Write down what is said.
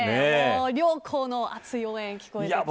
両校の熱い応援が聞こえてきましたね。